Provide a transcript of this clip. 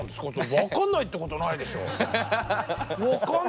分かんないってことはないでしょ。